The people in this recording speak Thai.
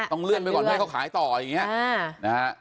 ต้องเลื่อนไปก่อนให้เขาขายต่ออย่างเงี้ย